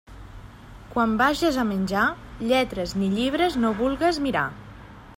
Quan vages a menjar, lletres ni llibres no vulgues mirar.